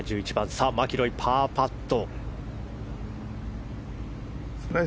さあ、マキロイパーパット。